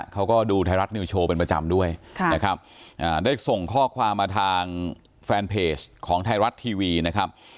เขาก็ดูไทยรัฐนิวโชว์เป็นประจำด้วยนะครับได้ส่งข้อความมาทางแฟนเพจของไทยรัฐทีวีนะครับ